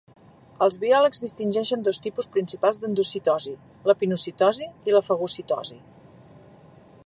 Els biòlegs distingeixen dos tipus principals d'endocitosi: la pinocitosi i la fagocitosi.